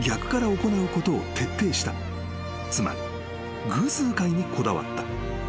［つまり偶数回にこだわった］